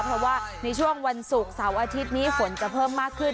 เพราะว่าในช่วงวันศุกร์เสาร์อาทิตย์นี้ฝนจะเพิ่มมากขึ้น